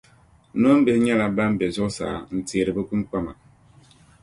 Noombihi nyɛla ban bɛ zuɣusaa n teeri bɛ kpimkpama